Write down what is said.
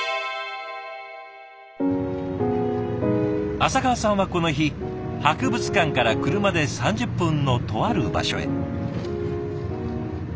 浅川さんはこの日博物館から車で３０分のとある場所へ。